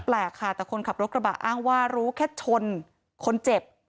แปลกค่ะแต่คนขับรถกระบะอ้างว่ารู้แค่ชนคนเจ็บ